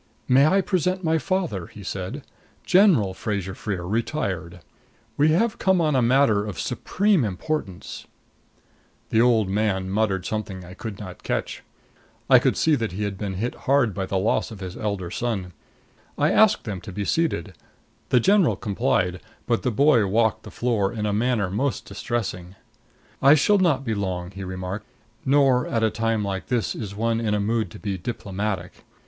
"May I present my father?" he said. "General Fraser Freer, retired. We have come on a matter of supreme importance " The old man muttered something I could not catch. I could see that he had been hard hit by the loss of his elder son. I asked them to be seated; the general complied, but the boy walked the floor in a manner most distressing. "I shall not be long," he remarked. "Nor at a time like this is one in the mood to be diplomatic.